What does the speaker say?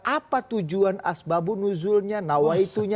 apa tujuan asbabun nuzulnya nawaitunya